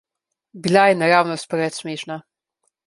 Bila je naravnost preveč smešna.